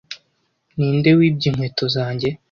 Ninde wibye inkweto zanjye